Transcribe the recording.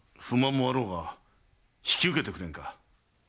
不満もあろうが引き受けてくれぬか。